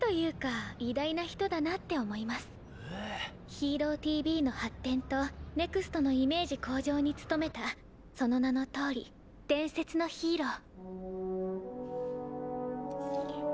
「ＨＥＲＯＴＶ」の発展とＮＥＸＴのイメージ向上に努めたその名のとおり伝説のヒーロー。